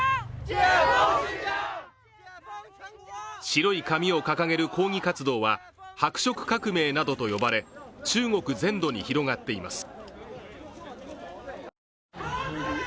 白い紙を掲げる抗議活動は白色革命などと呼ばれ、中国全土に広がっています。